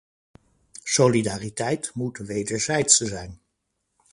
Solidariteit moet wederzijds zijn.